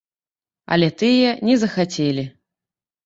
Але тыя не захацелі.